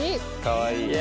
かわいい。